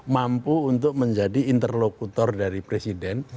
mampu untuk menjadi interlokutor dari presiden